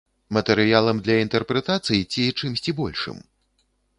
Матэрыялам для інтэрпрэтацый ці чымсьці большым?